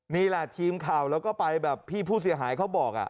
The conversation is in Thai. นี่แหละทีมข่าวแล้วก็ไปแบบพี่ผู้เสียหายเขาบอก